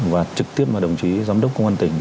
và trực tiếp là đồng chí giám đốc công an tỉnh